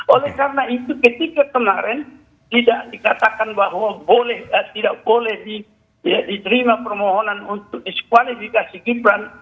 oleh karena itu ketika kemarin tidak dikatakan bahwa tidak boleh diterima permohonan untuk diskualifikasi gibran